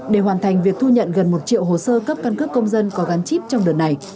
để hoàn thành việc thu nhận gần một triệu hồ sơ cấp căn cước công dân có gắn chip trong đợt này